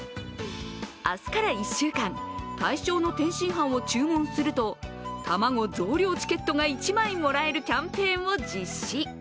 明日から１週間、対象の天津飯を注文すると玉子増量チケットが１枚もらえるキャンペーンを実施。